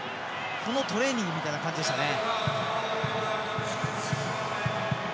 そのトレーニングみたいな感じでしたね。